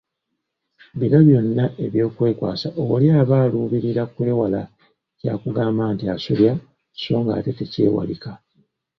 Bino byonna ebyokwekwasa oli aba aluubirira kwewala kya kugamba nti asobya so ng'ate tekyewalika.